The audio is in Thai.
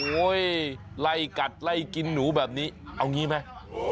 โอ๊ยไล่กัดไล่กินหนูแบบนี้เอาอย่างนี้ไหม